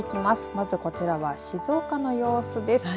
まずはこちらは静岡の様子です。